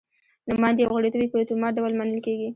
نوماندي او غړیتوب یې په اتومات ډول منل کېږي.